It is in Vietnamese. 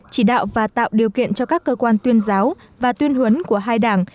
chỉ đạo và tạo điều kiện cho các cơ quan tuyên giáo và tuyên huấn của hai đảng